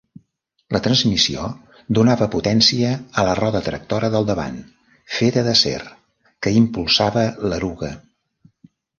La transmissió donava potència a la roda tractora del davant, feta d'acer, que impulsava l'eruga.